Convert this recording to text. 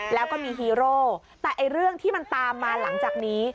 แล้วก็มีฮีโร่แต่เรื่องที่มันตามมาหลังจากนี้